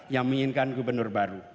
yang menginginkan gubernur baru